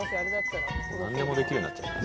何でもできるようになっちゃうね